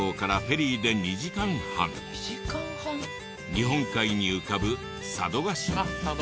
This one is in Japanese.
日本海に浮かぶ佐渡島。